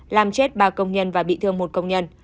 làm chết ba công nhân và bị thương một công nhân